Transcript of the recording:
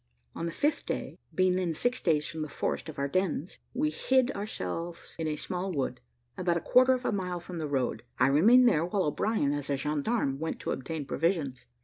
On the fifth day, being then six days from the forest of Ardennes, we hid ourselves in a small wood, about a quarter of a mile from the road. I remained there, while O'Brien, as a gendarme, went to obtain provisions.